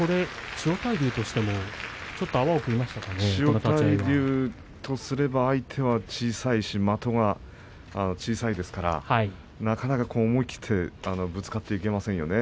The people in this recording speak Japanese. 千代大龍は相手が小さいですし的が小さいですからなかなか思い切ってぶつかっていけませんよね。